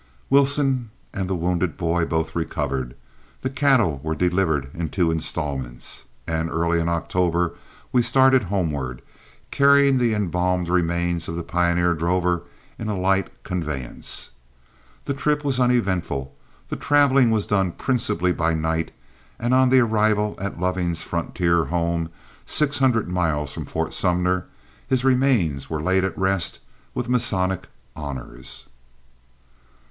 Wilson and the wounded boy both recovered, the cattle were delivered in two installments, and early in October we started homeward, carrying the embalmed remains of the pioneer drover in a light conveyance. The trip was uneventful, the traveling was done principally by night, and on the arrival at Loving's frontier home, six hundred miles from Fort Sumner, his remains were laid at rest with Masonic honors.